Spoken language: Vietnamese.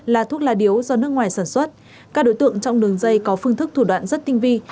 là thuốc lá điếu do nước ngoài sản xuất các đối tượng trong đường dây có phương thức thủ đoạn rất tinh vi